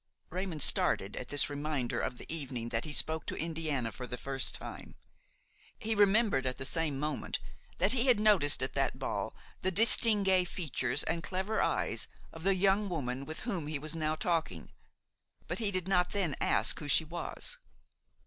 Raymon started at this reminder of the evening that he spoke to Indiana for the first time. He remembered at the same moment that he had noticed at that ball the distingué features and clever eyes of the young woman with whom he was now talking; but he did not then ask who she was.